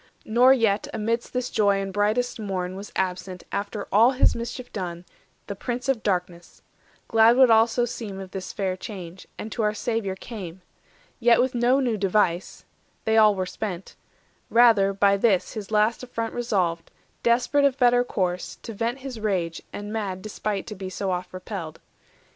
Nor yet, amidst this joy and brightest morn, Was absent, after all his mischief done, 440 The Prince of Darkness; glad would also seem Of this fair change, and to our Saviour came; Yet with no new device (they all were spent), Rather by this his last affront resolved, Desperate of better course, to vent his rage And mad despite to be so oft repelled.